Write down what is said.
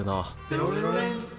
「テロレロレン」